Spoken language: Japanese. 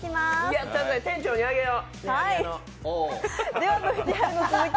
やったぜ、店長にあげよ。